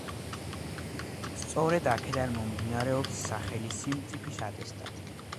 სწორედ აქედან მომდინარეობს სახელი „სიმწიფის ატესტატი“.